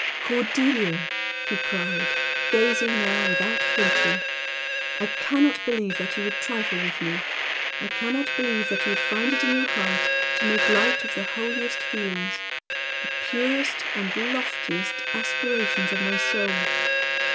"Cordelia!" he cried, gazing now without flinching, "I can not believe that you would trifle with me. I can not believe that you could find it in your heart to make light of the holiest feelings the purest and loftiest aspirations of my soul.